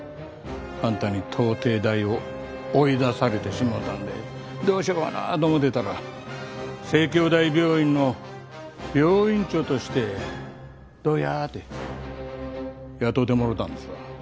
あんたに東帝大を追い出されてしもうたんでどうしようかなと思うてたら西京大病院の病院長としてどうや？って雇うてもろうたんですわ。